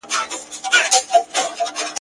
چي شېبه مخکي په ښکر وو نازېدلی !.